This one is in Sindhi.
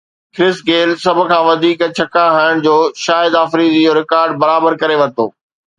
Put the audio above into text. ڪرس گيل سڀ کان وڌيڪ ڇڪا هڻڻ جو شاهد آفريدي جو رڪارڊ برابر ڪري ورتو